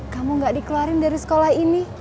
kamu gak dikeluarin dari sekolah ini